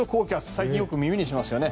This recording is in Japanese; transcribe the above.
最近よく耳にしますよね。